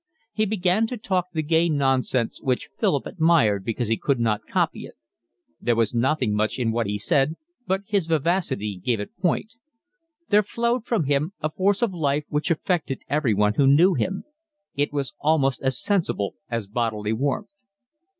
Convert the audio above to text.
He began to talk the gay nonsense which Philip admired because he could not copy it. There was nothing much in what he said, but his vivacity gave it point. There flowed from him a force of life which affected everyone who knew him; it was almost as sensible as bodily warmth.